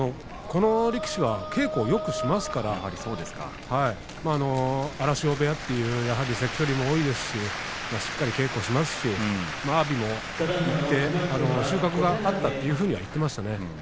この力士は稽古をよくしますから荒汐部屋という関取も多いですししっかりと稽古しますし阿炎も行って収穫があったというふうには言っていました。